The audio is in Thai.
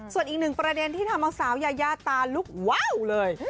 ส่วนอีกหนึ่งประเด็นที่ทำเอาสาวยายาตาลุกว้าวเลย